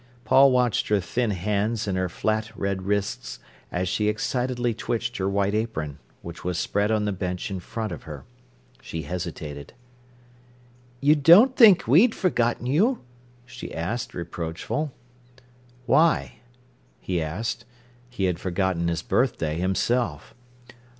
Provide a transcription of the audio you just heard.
Paul watched her thin hands and her flat red wrists as she excitedly twitched her white apron, which was spread on the bench in front of her. She hesitated. "You didn't think we'd forgot you?" she asked, reproachful. "Why?" he asked. He had forgotten his birthday himself.